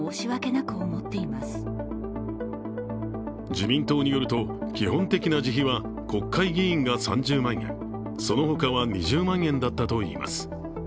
自民党によると基本的な自費は国会議員が３０万円、そのほかは２０万円だったといいます。